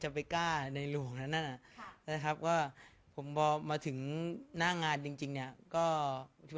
จะไปกล้าในหลวงกันนะนะครับว่าผมมาถึงหน้างานจริงจริงนี้ก็เยอะ